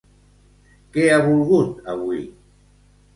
Què ha volgut avui?